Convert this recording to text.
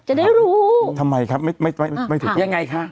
จะได้รู้ทำไมครับไม่ไม่ถึงยังไงคะ